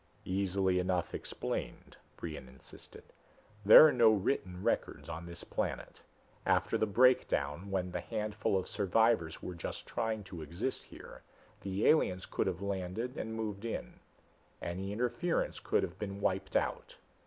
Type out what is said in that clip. "Easily enough explained," Brion insisted. "There are no written records on this planet. After the Breakdown, when the handful of survivors were just trying to exist here, the aliens could have landed and moved in. Any interference could have been wiped out.